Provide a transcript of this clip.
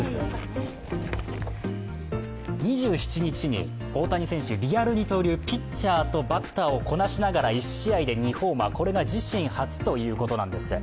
２７日、リアル二刀流、ピッチャーとバッターをこなしながら１試合で２ホーマー、これが自身初ということなんです。